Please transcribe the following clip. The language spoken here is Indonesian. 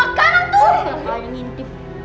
enggak mah ini intim